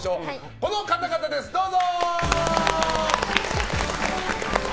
この方々です、どうぞ。